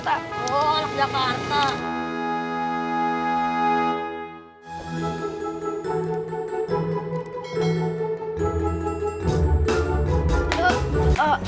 oh anak jakarta